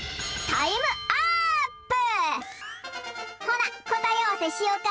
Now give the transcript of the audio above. ほなこたえあわせしよか。